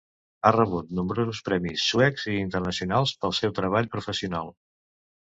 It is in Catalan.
Ha rebut nombrosos premis suecs i internacionals pel seu treball professional.